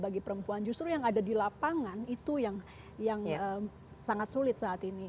bagi perempuan justru yang ada di lapangan itu yang sangat sulit saat ini